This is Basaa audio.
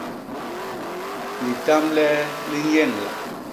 Litam li e li nyeñla.